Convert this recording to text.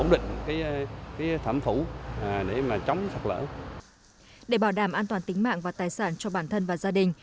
để bảo đảm an toàn tính mạng và tài sản cho bản thân và gia đình